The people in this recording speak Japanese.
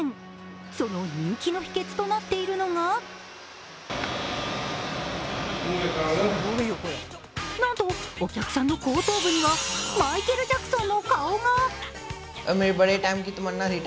その人気の秘けつとなっているのがなんと、お客さんの後頭部にはマイケル・ジャクソンの顔が！